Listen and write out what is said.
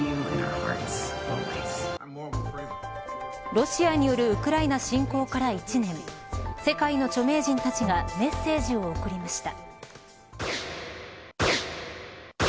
ロシアによるウクライナ侵攻から１年世界の著名人たちがメッセージを送りました。